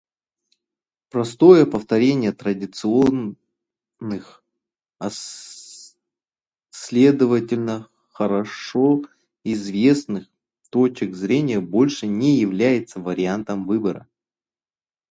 Простое повторение традиционных — а следовательно хорошо известных — точек зрения больше не является вариантом выбора.